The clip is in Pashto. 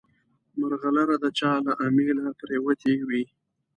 مرغلره د چا له امیله پرېوتې وي.